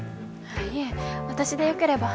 いえ私でよければ。